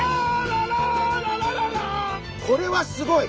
これはすごい。